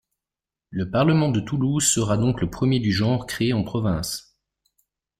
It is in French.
Le parlement de Toulouse sera donc le premier du genre créé en province.